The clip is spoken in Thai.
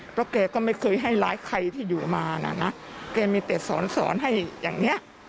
เพราะแกก็ไม่เคยให้ร้ายใครที่อยู่มานะนะแกมีแต่สอนสอนให้อย่างเนี้ย